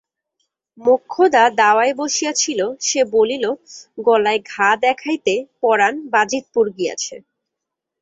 মোক্ষদা দাওয়ায় বসিয়া ছিল, সে বলিল, গলায় ঘা দেখাইতে পরান বাজিতপুর গিয়াছে।